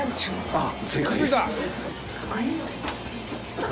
あっ。